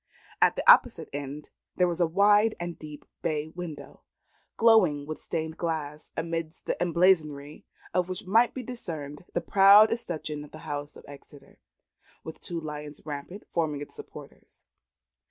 At the opposite end, there was a wide and deep bay window, glowing with stained glass, amid the emblazonry of which might be discerned the proud escutcheon of the house of Exeter, with the two lions rampant forming its supporters.